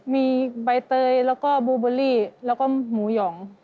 มีใบเตยแล้วก็บูเบอรี่แล้วก็หมูหยอง